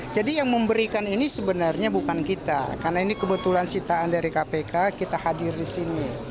jadi yang memberikan ini sebenarnya bukan kita karena ini kebetulan sitaan dari kpk kita hadir di sini